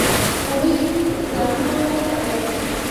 هغوی ځانونه وسپارل.